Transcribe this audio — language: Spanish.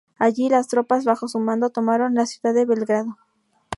Allí, las tropas bajo su mando tomaron la ciudad de Belgrado.